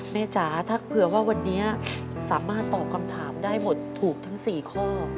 จ๋าถ้าเผื่อว่าวันนี้สามารถตอบคำถามได้หมดถูกทั้ง๔ข้อ